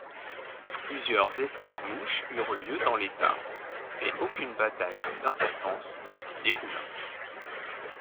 Plusieurs escarmouches eurent lieu dans l'État, mais aucune bataille d'importance ne s'y déroula.